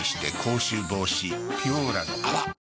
「ピュオーラ」の泡！